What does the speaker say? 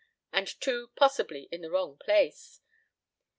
And, too possibly, in the wrong place.